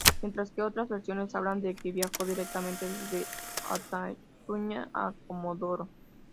Mientras que otras versiones hablan de que viajó directamente desde Añatuya a Comodoro.